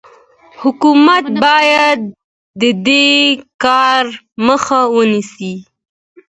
حکومت باید د دې کار مخه ونیسي.